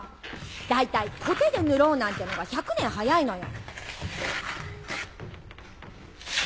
大体コテで塗ろうなんてのが１００年早いのよ。